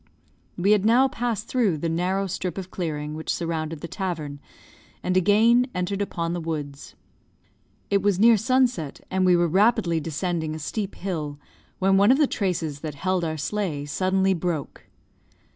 We had now passed through the narrow strip of clearing which surrounded the tavern, and again entered upon the woods. It was near sunset, and we were rapidly descending a steep hill, when one of the traces that held our sleigh suddenly broke.